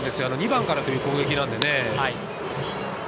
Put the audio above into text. ２番からという攻撃なので。